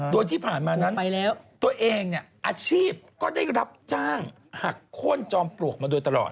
โดยที่ผ่านมานั้นตัวเองเนี่ยอาชีพก็ได้รับจ้างหักโค้นจอมปลวกมาโดยตลอด